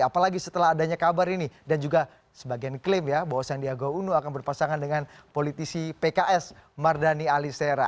apalagi setelah adanya kabar ini dan juga sebagian klaim ya bahwa sandiaga uno akan berpasangan dengan politisi pks mardani alisera